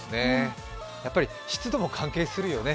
やっぱ湿度も関係するよね。